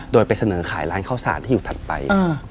โดยไปเสนอขายร้านข้าวสารที่อยู่ถัดไป